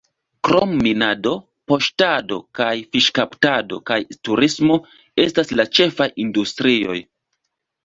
Krom minado, paŝtado kaj fiŝkaptado kaj turismo estas la ĉefaj industrioj.